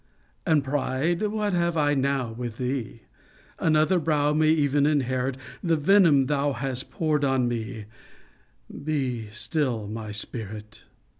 III And pride, what have I now with thee? Another brow may ev'n inherit The venom thou hast poured on me Be still my spirit!